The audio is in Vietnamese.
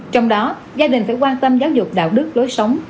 trong đó gia đình phải quan tâm giáo dục đạo đức lối sống